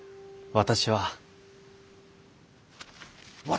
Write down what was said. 「私は」？